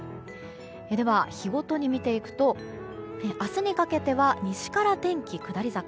では、日ごとに見ていくと明日にかけては西から天気下り坂。